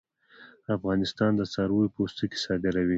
افغانستان د څارویو پوستکي صادروي